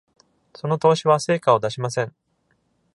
その投資は成果を出しません。